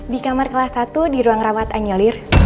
di kamar kelas satu di ruang rawatan nyelir